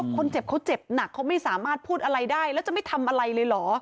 คนเจ็บเขาเจ็บหนักเขาไม่สามารถพูดอะไรได้แล้วจะไม่ทำอะไรเลยเหรอ